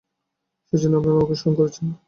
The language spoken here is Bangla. সেজন্যই আপনারা আমাকে স্মরণ করেছেন।